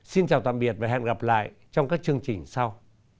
xin chào tạm biệt và hẹn gặp lại trong các chương trình sau